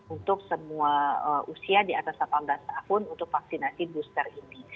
untuk semua usia di atas delapan belas tahun untuk vaksinasi booster ini